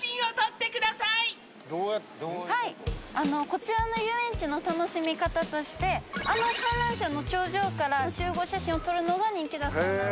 こちらの遊園地の楽しみ方としてあの観覧車の頂上から集合写真を撮るのが人気だそうなんです。